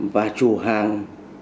và chủ hàng